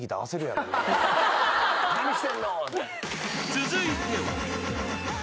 ［続いては］